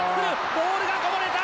ボールがこぼれた！